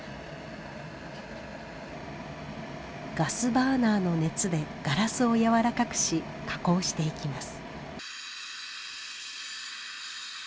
ガスバーナーの熱でガラスをやわらかくし加工していきます。